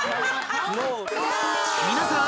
［皆さーん！